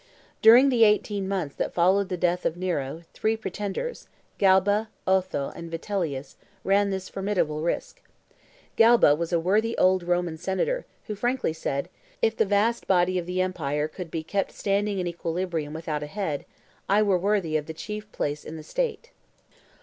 During the eighteen months that followed the death of Nero, three pretenders Galba, Otho, and Vitellius ran this formidable risk. Galba was a worthy old Roman senator, who frankly said, "If the vast body of the empire could be kept standing in equilibrium without a head, I were worthy of the chief place in the state."